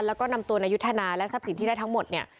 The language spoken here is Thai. แล้วก็นำตัวนายุทธนาและทรัพย์สินที่ได้ทั้งหมดเนี่ย